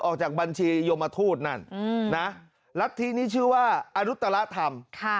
ออกจากบัญชีโยมทูตนั่นลักษณะที่นี้ชื่อว่าอรุตรธรรม